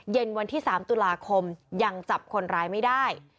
วันที่๓ตุลาคมยังจับคนร้ายไม่ได้